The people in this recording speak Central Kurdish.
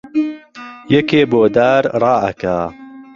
یەکێ بۆ دار ڕائەکا